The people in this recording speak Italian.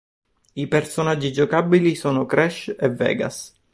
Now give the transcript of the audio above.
I personaggi giocabili sono Crash e Vegas.